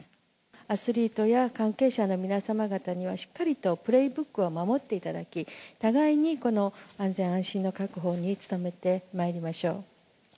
アスリートや関係者の皆様方にはしっかりとプレーブックを守っていただき、互いにこの安全・安心の確保に努めてまいりましょう。